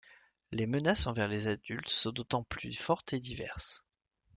Les menaces envers les adultes sont d'autant plus fortes et diverses.